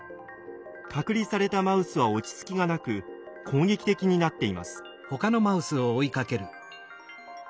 隔離されたマウスは落ち着きがなく攻撃的になっています。